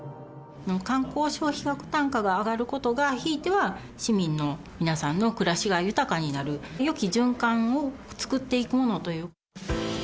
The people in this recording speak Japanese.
観光消費額単価が上がることが、ひいては市民の皆さんのくらしが豊かになる、よき循環を作っていくものという。